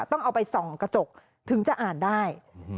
ต้องเอาไปส่องกระจกถึงจะอ่านได้